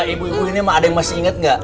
ibu ibu ini emang ada yang masih inget gak